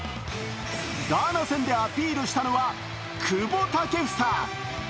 ガーナ戦でアピールしたのは久保建英。